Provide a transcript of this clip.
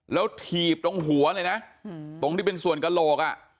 แล้วถีบตรงหัวเลยนะตรงที่เป็นส่วนกระโหลกอ่ะ